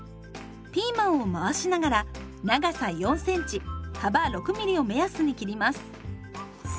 ピーマンを回しながら長さ４センチ幅６ミリを目安に切ります。